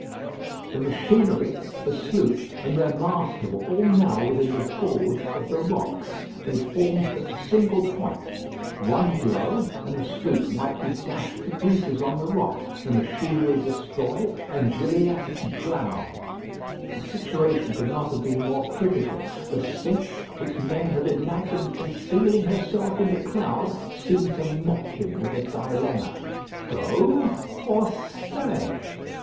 The machinery, the sloop, and their master were all now within the gorge of the rocks. They formed but a single point. One blow, and the sloop might be dashed to pieces on the rock, the machinery destroyed, and Gilliatt drowned. The situation could not have been more critical. The sphinx, which men have imagined concealing herself in the cloud, seemed to mock him with a dilemma. "Go or stay."